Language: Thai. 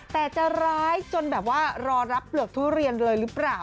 แต่จะร้ายจนแบบว่ารอรับเปลือกทุเรียนเลยหรือเปล่า